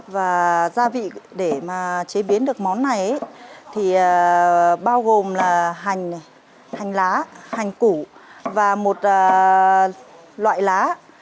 và gia vị để mà chế biến được món này thì bao gồm là hành lá hành củ và một loại lá